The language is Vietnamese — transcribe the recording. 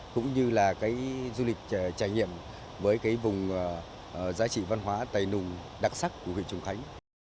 cũng như là cái du lịch trải nghiệm với cái vùng giá trị văn hóa tài nùng đặc sắc của huyện trùng khánh